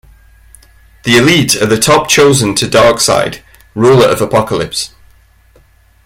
The Elite are the top chosen to Darkseid, ruler of Apokolips.